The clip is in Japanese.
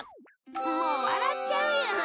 もう笑っちゃうよ。